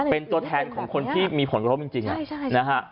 เป็นตัวแทนของคนที่มีผลกระทบจริงนะฮะ